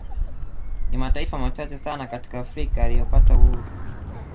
Ni mataifa machache sana katika Afrika yaliyopata uhuru